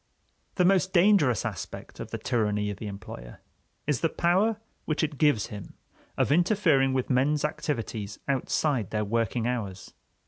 The most dangerous aspect of the tyranny of the employer is the power which it gives him of interfering with men's activities outside their working hours.